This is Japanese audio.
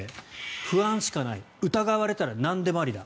不安しかない疑われたらなんでもありだ